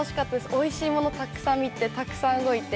おもしろいものたくさん見て、たくさん動いて。